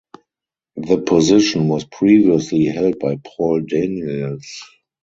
The position was previously held by Paul Daniels.